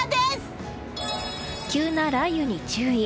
急な雷雨に注意。